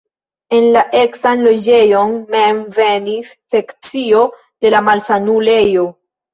En la eksan loĝejon mem venis sekcio de la malsanulejo.